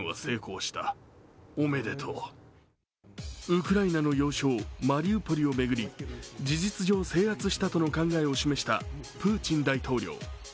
ウクライナの要衝マリウポリを巡り、事実上制圧したとの考えを示したプーチン大統領。